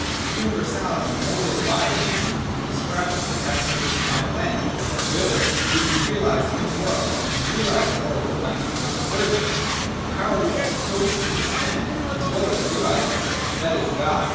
The universality moulded by Reason, and described as the absolute and final end or the Good, would be realised in the world, and realised moreover by means of a third thing, the power which proposes this End as well as realises it, — that is, God.